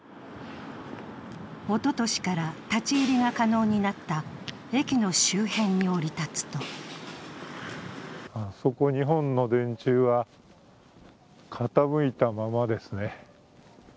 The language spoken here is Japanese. おととしから立ち入りが可能になった駅の周辺に降り立つとあそこ、２本の電柱は傾いたままですね。